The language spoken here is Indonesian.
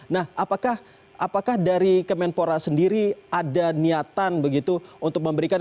nah apakah dari kemenpora sendiri ada niatan begitu untuk memberikan